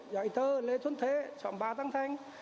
dạy tờ lê xuân thế trộm ba tăng thanh